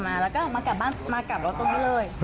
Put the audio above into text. มาแล้วก็มากลับบ้านมากลับรถตรงนี้เลย